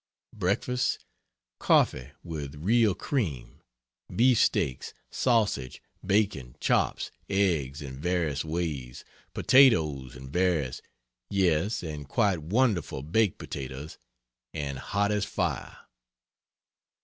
Breakfasts: coffee with real cream; beefsteaks, sausage, bacon, chops, eggs in various ways, potatoes in various yes, and quite wonderful baked potatoes, and hot as fire.